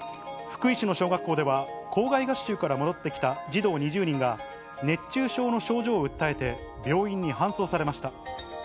福井市の小学校では、校外学習から戻ってきた児童２０人が、熱中症の症状を訴えて、病院に搬送されました。